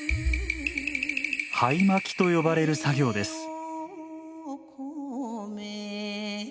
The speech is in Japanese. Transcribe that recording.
灰まきと呼ばれる作業です。